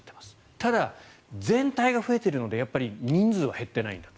ただ、全体が増えているので人数は減っていないと。